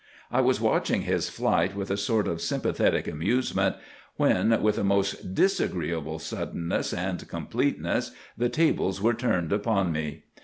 I was watching his flight with a sort of sympathetic amusement when, with a most disagreeable suddenness and completeness, the tables were turned upon me.